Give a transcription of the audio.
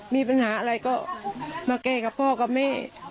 มีปัญหาอะไรก็มาแก้กับพ่อกับแม่